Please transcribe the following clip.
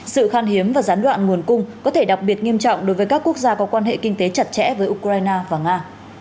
sự khan hiếm và gián đoạn nguồn cung có thể đặc biệt nghiêm trọng đối với các quốc gia có quan hệ kinh tế chặt chẽ với ukraine và nga